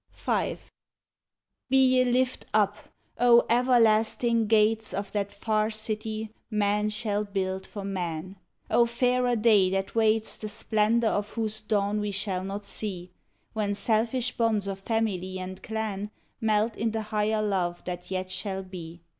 99 ODE ON THE OPENING OF V Be ye lift up, O everlasting gates Of that far City men shall build for Man 1 O fairer Day that waits, The splendor of whose dawn we shall not see, When selfish bonds of family and clan Melt in the higher love that yet shall be